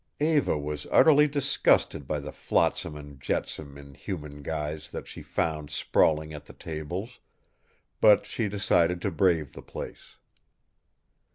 Eva was utterly disgusted by the flotsam and jetsam in human guise that she found sprawling at the tables, but she decided to brave the place.